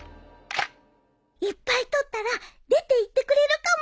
いっぱい撮ったら出ていってくれるかも。